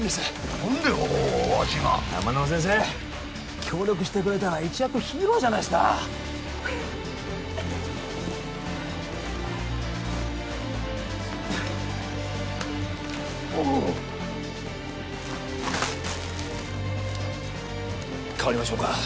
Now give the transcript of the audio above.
何でわしが天沼先生協力してくれたら一躍ヒーローじゃないすかおおっ代わりましょうか？